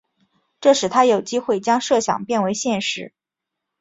这使他有机会将设想变为现实。